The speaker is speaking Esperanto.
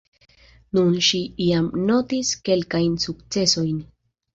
Nun ŝi jam notis kelkajn sukcesojn.